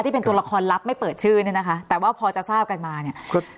ตัวละครลับไม่เปิดชื่อเนี่ยนะคะแต่ว่าพอจะทราบกันมาเนี่ย